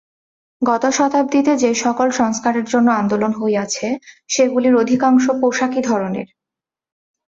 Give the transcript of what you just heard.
গত শতাব্দীতে যে-সকল সংস্কারের জন্য আন্দোলন হইয়াছে, সেগুলির অধিকাংশ পোশাকী ধরনের।